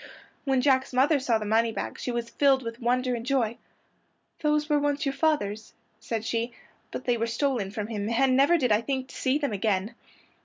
When Jack's mother saw the moneybags she was filled with wonder and joy. "Those were once your father's," said she, "but they were stolen from him, and never did I think to see them again."